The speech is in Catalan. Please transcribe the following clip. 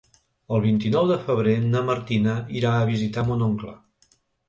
El vint-i-nou de febrer na Martina irà a visitar mon oncle.